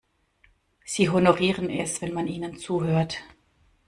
Sie honorieren es, wenn man ihnen zuhört.